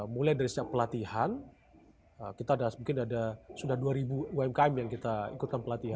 mulai dari sejak pelatihan kita mungkin sudah dua ribu umkm yang kita ikutkan pelatihan